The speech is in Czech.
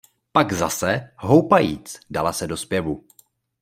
Pak zase, houpajíc, dala se do zpěvu.